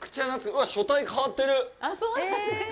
うわ、書体変わってる。